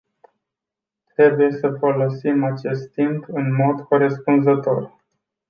Trebuie să folosim acest timp în mod corespunzător.